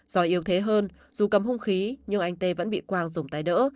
do yêu thế hơn dù cầm hung khí nhưng anh t vẫn bị quang dùng tay đỡ